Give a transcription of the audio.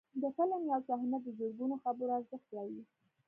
د فلم یو صحنه د زرګونو خبرو ارزښت لري.